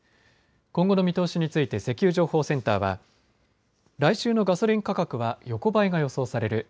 今後の見通しについて石油情報センターは来週のガソリン価格は横ばいが予想される。